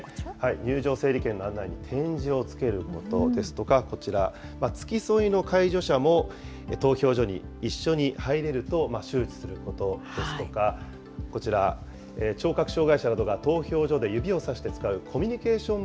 入場整理券の案内に点字をつけることですとか、こちら、付き添いの介助者も投票所に一緒に入れると周知することですとか、こちら、聴覚障害者などが投票所で指をさして使うコミュニケーション